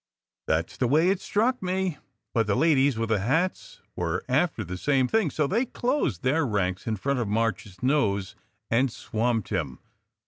"That s the way it struck me. But the ladies with the hats were after the same thing, so they closed their ranks in front of March s nose, and swamped him.